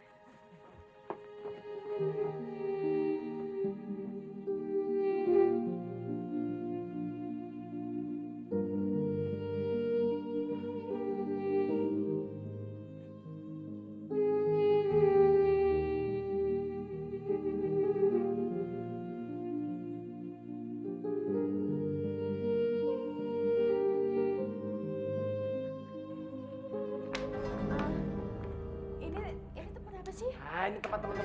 ini tempat teman teman kita juga